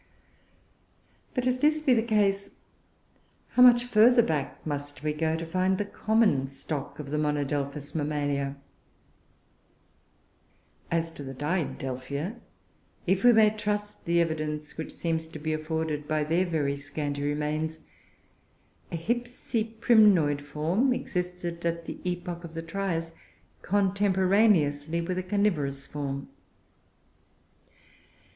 But if this be the case, how much further back must we go to find the common stock of the monodelphous Mammalia? As to the Didelphia, if we may trust the evidence which seems to be afforded by their very scanty remains, a Hypsiprymnoid form existed at the epoch of the Trias, contemporaneously with a Carnivorous form.